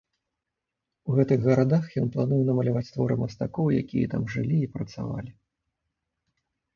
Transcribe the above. У гэтых гарадах ён плануе намаляваць творы мастакоў, якія там жылі і працавалі.